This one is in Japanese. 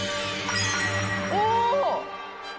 お！